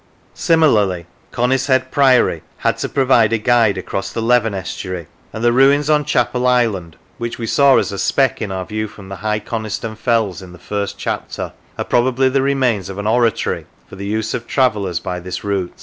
Similarly Conishead Priory had to provide a guide across the Leven estuary; and the ruins on Chapel Island, which we saw as a speck in our view from the high Coniston fells in the first chapter, are probably the remains of an oratory for the use of travellers by this route.